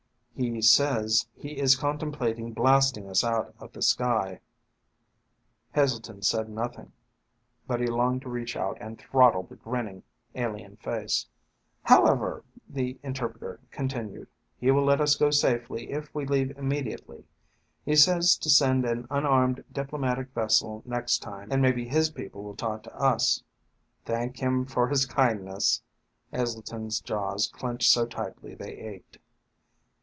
"He says he is contemplating blasting us out of the sky." Heselton said nothing, but he longed to reach out and throttle the grinning, alien face. "However," the interpreter continued, "he will let us go safely if we leave immediately. He says to send an unarmed, diplomatic vessel next time and maybe his people will talk to us." "Thank him for his kindness." Heselton's jaws clenched so tightly they ached.